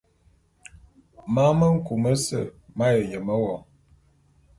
Man me nku mese m'aye yeme wo.